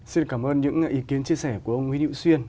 xin cảm ơn những ý kiến chia sẻ của ông nguyễn hữu xuyên